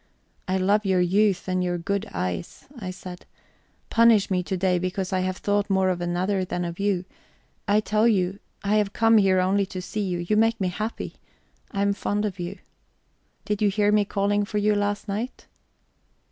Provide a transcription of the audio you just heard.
"I love your youth and your good eyes," I said. "Punish me to day because I have thought more of another than of you. I tell you, I have come here only to see you; you make me happy, I am fond of you. Did you hear me calling for you last night?"